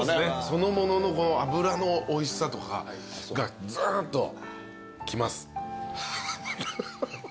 そのものの脂のおいしさとかがズーンときます。